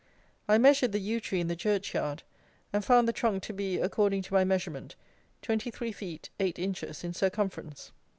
I measured the yew tree in the churchyard, and found the trunk to be, according to my measurement, twenty three feet, eight inches, in circumference.